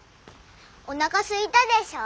おなかすいたでしょ？